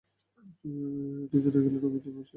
দুজনে গেলেন অমিতর বাসায়।